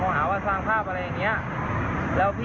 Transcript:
ไม่ได้ไปลงในเพจคนตรังอะไรอย่างนี้